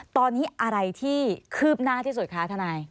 ตอนนี้อะไรที่คืบหน้าที่สุดคะทนาย